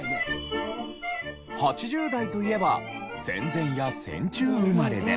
８０代といえば戦前や戦中生まれで。